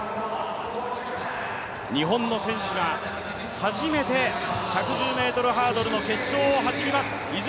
日本の選手が初めて１１０ｍハードルの決勝を走ります。